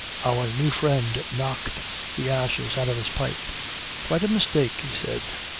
Our new friend knocked the ashes out of his pipe. "Quite a mistake," he said.